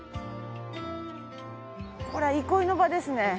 これは憩いの場ですね。